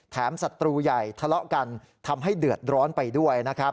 ศัตรูใหญ่ทะเลาะกันทำให้เดือดร้อนไปด้วยนะครับ